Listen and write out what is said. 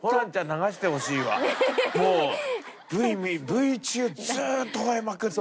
Ｖ中ずーっとほえまくって。